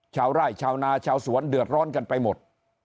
ชาวไร่ชาวนาชาวสวนเดือดร้อนกันไปหมด